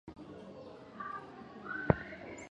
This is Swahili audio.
hasa ruva kuki ameandaa taarifa ifuatayo